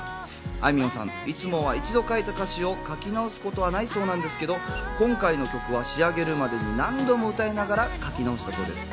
あいみょんさん、いつもは一度書いた歌詞を書き直すことはないそうなんですけど、今回の曲は仕上げるまでに何度も歌いながら書き直したそうです。